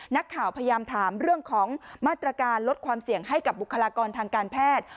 นักข่าวพยายามถามเรื่องของมาตรการลดความเสี่ยงให้กับบุคลากรทางการแพทย์